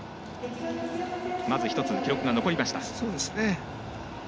まず１つ記録が残りました。